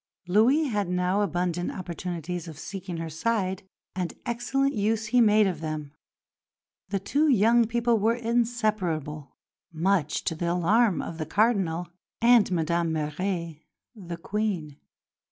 Louis had now abundant opportunities of seeking her side; and excellent use he made of them. The two young people were inseparable, much to the alarm of the Cardinal and Madame Mère, the Queen.